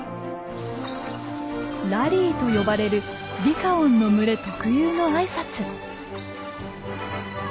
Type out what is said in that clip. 「ラリー」と呼ばれるリカオンの群れ特有の挨拶。